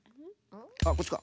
あっこっちか？